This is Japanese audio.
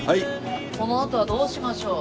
このあとはどうしましょう？